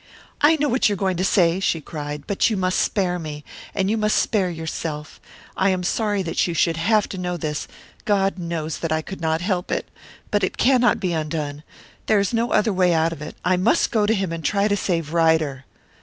"I know what you are going to say," she cried. "But you must spare me and you must spare yourself. I am sorry that you should have to know this God knows that I could not help it! But it cannot be undone. And there is no other way out of it. I must go to him, and try to save Ryder!"